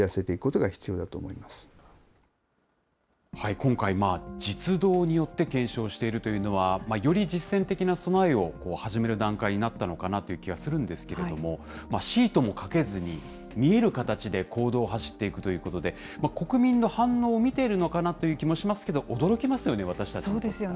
今回、実動によって検証しているというのは、より実践的な備えを始める段階になったのかなという気はするんですけれども、シートもかけずに、見える形で公道を走っていくということで、国民の反応を見てるのかなという気もしますけど、驚きそうですよね。